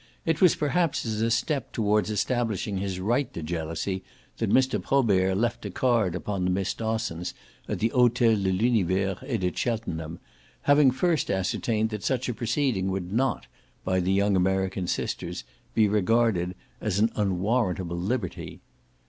It was perhaps as a step towards establishing his right to jealousy that Mr. Probert left a card upon the Miss Dossons at the Hotel de l'Univers et de Cheltenham, having first ascertained that such a proceeding would not, by the young American sisters, be regarded as an unwarrantable liberty.